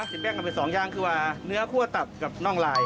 สิ่งแปลกทำเป็น๒อย่างคือว่าเนื้อคั่วตับกับน่องไหล่